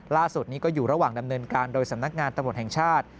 ล่าสุดนี้ก็อยู่ระหว่างดำเนินการโดยสำนักงานตำรวจแห่งชาติ